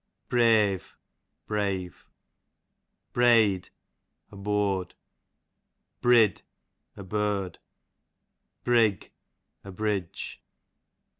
Breve, brave. Breyd, a board. Brid, a bird. Brigg, a bridge.